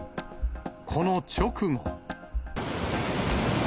この直後。